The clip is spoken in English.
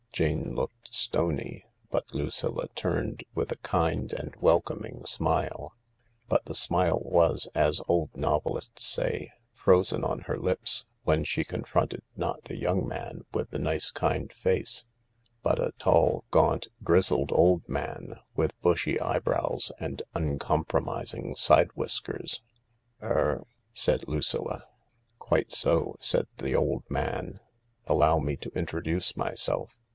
Jane looked stony, but Lucilla turned with a kind and welcoming smile. But the smile was, as old novelists say, froaen on her lips, when she confronted, not the young man with the nice, kind face, but a tall, gaunt, grizzelled old man, with bushy eyebrows and uncompromising side whiskers. Er ..." said Lucilla. "Quite so," said the old man ; "allow me to introduce myself.